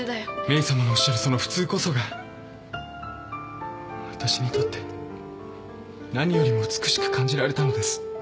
メイさまのおっしゃるその普通こそがわたしにとって何よりも美しく感じられたのです。